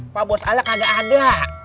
pak bos alak ada ada